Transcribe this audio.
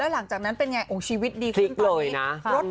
หลังจากนั้นเป็นไงชีวิตดีขึ้นตอนนี้